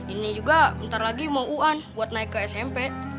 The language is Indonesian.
ini juga nanti lagi mau u an buat naik ke smp